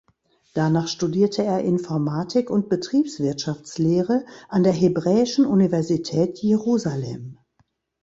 Danach studierte er Informatik und Betriebswirtschaftslehre an der Hebräischen Universität Jerusalem.